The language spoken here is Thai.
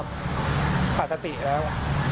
ก็ขาดตะติครับขาดตะติแล้ว